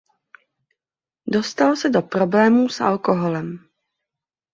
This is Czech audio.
Dostal se do problémů s alkoholem.